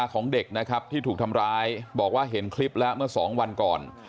ของเด็กนะครับที่ถูกทำร้ายบอกว่าเห็นคลิปแล้วเมื่อสองวันก่อน